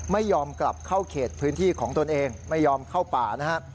ไม่ยอมกลับเข้าเขตพื้นที่ของตนเองไม่ยอมเข้าป่านะฮะ